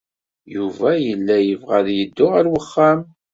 Yuba yella yebɣa ad yeddu ɣer uxxam.